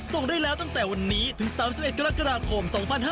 ส่งได้แล้วตั้งแต่วันนี้ถึง๓๑กรกฎาคม๒๕๕๙